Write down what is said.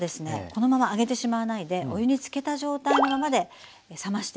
このまま上げてしまわないでお湯につけた状態のままで冷ましていきます。